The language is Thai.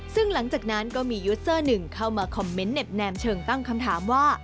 ซึ่งหลังจากนั้นก็มียูสเซอร์หนึ่งเข้ามาคอมเมนต์เน็บแนมเชิงตั้งคำถามว่า